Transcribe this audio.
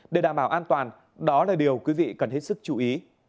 để đảm bảo an toàn đó là điều quý vị cần hết sức chú ý